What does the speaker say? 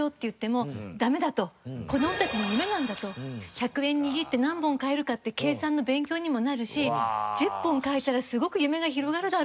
１００円握って何本買えるかって計算の勉強にもなるし１０本買えたらすごく夢が広がるだろ？